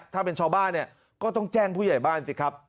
ถ้าเป็นชาวบ้านเนี่ยก็ต้องแจ้งผู้ใหญ่บ้านสิครับ